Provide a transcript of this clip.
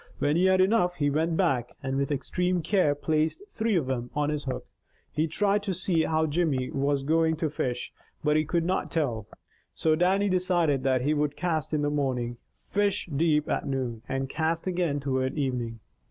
When he had enough, he went back, and with extreme care placed three of them on his hook. He tried to see how Jimmy was going to fish, but he could not tell. So Dannie decided that he would cast in the morning, fish deep at noon, and cast again toward evening.